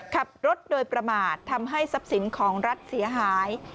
ขับรถโดยประมาททำให้ทรัพย์สินของรัฐเสียหาย